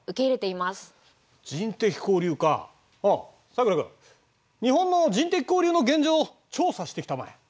さくら君日本の人的交流の現状を調査してきたまえ。